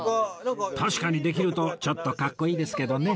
確かにできるとちょっとかっこいいですけどね